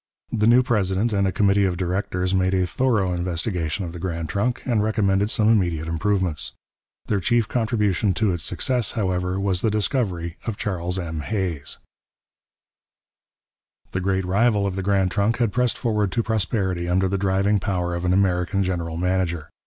The new president and a committee of directors made a thorough investigation of the Grand Trunk, and recommended some immediate improvements. Their chief contribution to its success, however, was the discovery of Charles M. Hays. [Illustration: Charles Melville Hays. From a photograph by Notman] The great rival of the Grand Trunk had pressed forward to prosperity under the driving power of an American general manager.